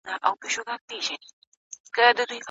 دا د پېړیو مزل مه ورانوی